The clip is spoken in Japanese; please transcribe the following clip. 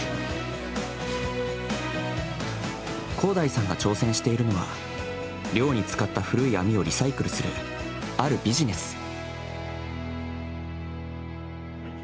広大さんが挑戦しているのは漁に使った古い網をリサイクルする、あるビジネス。